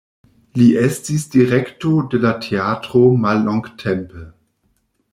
Li estis direkto de la teatro mallongtempe.